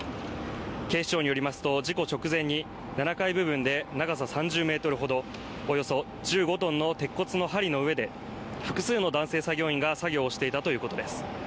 警視庁によりますと、事故直前に７階部分で長さ３０ｍほど、およそ１５ｔの鉄骨のはりの上で複数の男性作業員が作業をしていたということです。